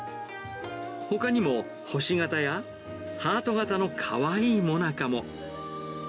ほかにも、星形やハート形のかわいいもなかも。